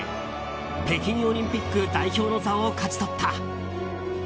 北京オリンピック代表の座を勝ち取った。